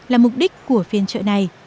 là mục đích của phiên chợ này